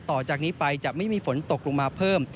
ต่อจากนี้ไปจะไม่มีฝนตกลงมาเพิ่ม